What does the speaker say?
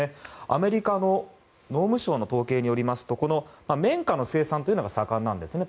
アメリカの農務省の統計によりますとパキスタンは綿花の生産が盛んなんですね。